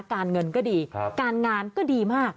การเงินก็ดีการงานก็ดีมาก